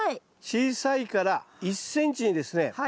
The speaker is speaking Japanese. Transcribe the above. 小さいから１ｃｍにですね